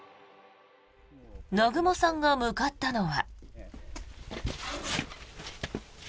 南雲さんが向かったのは。